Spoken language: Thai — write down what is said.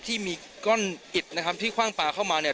ที่มีก้อนอิดนะครับที่คว่างปลาเข้ามาเนี่ย